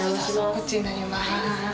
こっちになります。